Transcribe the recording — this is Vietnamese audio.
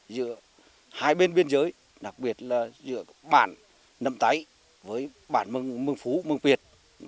giữa hai bên biên giới đặc biệt là giữa bản nâm táy với bản mương phú mương việt